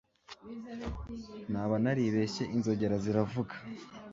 naba naribeshye inzogera ziravuza